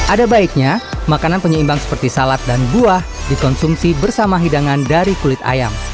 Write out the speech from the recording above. ada baiknya makanan penyeimbang seperti salad dan buah dikonsumsi bersama hidangan dari kulit ayam